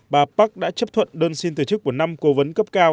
bà park đã chấp thuận đơn xin từ chức của năm cố vấn cấp cao